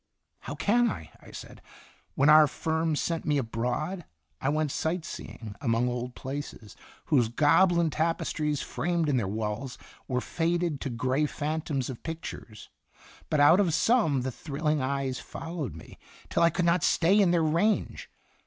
"How can I?" I said. "When our firm sent me abroad, I went sight seeing among old palaces, whose Gobelin tapestries framed in their walls were faded to gray phantoms of pictures, but out of some the thrilling eyes fol lowed me till I could not stay in their range.